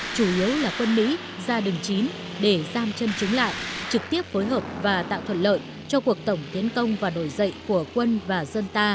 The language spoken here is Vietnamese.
chủ yếu là quân mỹ gia đình chín để giam chân chúng lại trực tiếp phối hợp và tạo thuận lợi cho cuộc tổng tiến công và nổi dậy của quân và dân ta